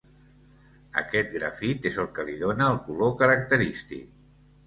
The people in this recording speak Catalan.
Aquest grafit és el que li dóna el color característic.